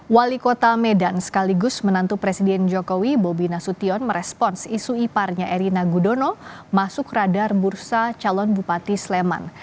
wali kota medan sekaligus menantu presiden jokowi bobi nasution merespons isu iparnya erina gudono masuk radar bursa calon bupati sleman